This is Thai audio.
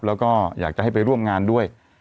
แล้วก็อยากจะให้ไปร่วมงานด้วย